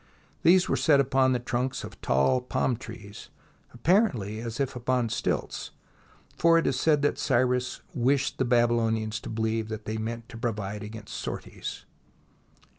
These were set upon the trunks of tall palm trees, ap parently as if upon stilts, for it is said that Cyrus wished the Babylonians to believe that they meant to provide against sorties.